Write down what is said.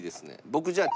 僕じゃあ。